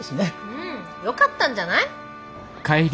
うんよかったんじゃない？